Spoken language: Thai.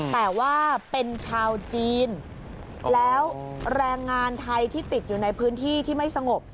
แต่ว่าเป็นชาวจีนแล้วแรงงานไทยที่ติดอยู่ในพื้นที่ที่ไม่สงบ